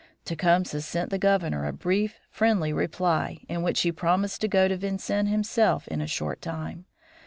Tecumseh sent the Governor a brief, friendly reply, in which he promised to go to Vincennes himself in a short time.